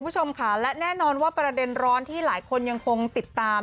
คุณผู้ชมค่ะและแน่นอนว่าประเด็นร้อนที่หลายคนยังคงติดตาม